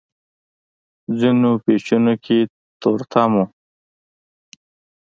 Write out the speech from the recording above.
ځينو پېچونو کې تورتم و.